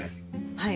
はい。